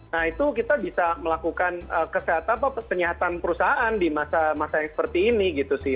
nah itu kita bisa melakukan penyihatan perusahaan di masa masa yang seperti ini gitu sih